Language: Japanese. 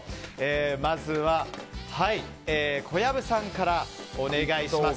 まずは、小籔さんからお願いします。